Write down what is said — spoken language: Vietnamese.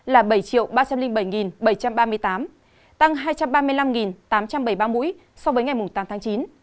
là bảy ba trăm linh bảy bảy trăm ba mươi tám tăng hai trăm ba mươi năm tám trăm bảy mươi ba mũi so với ngày tám tháng chín